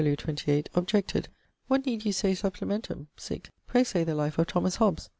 28) objected: 'What need you say Supplimentum?' sic 'pray say the life of Thomas Hobbs.'